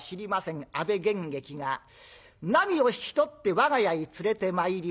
阿部玄益がなみを引き取って我が家へ連れてまいります。